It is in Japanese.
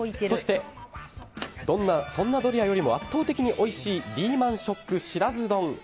そしてそんなドリアよりも圧倒的においしいリーマン・ショック知らず丼。